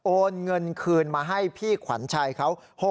โอนเงินคืนมาให้พี่ขวัญชัยเขา